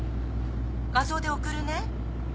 画像で送るね。